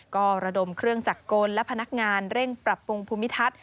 ก็ระดมเครื่องจักรกลและพนักงานเร่งปรับปรุงภูมิทัศน์